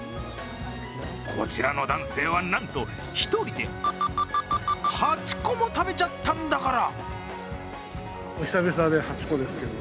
こちらの男性は、なんと１人で８個も食べちゃったんだから。